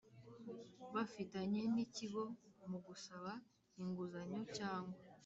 Bafitanye n ikigo mu gusaba inguzanyo cyangwa